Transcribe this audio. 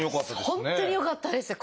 本当によかったですよ。